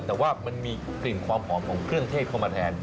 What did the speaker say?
แต่ว่ามันมีกลิ่นความหอมของเครื่องเทศเข้ามาแทน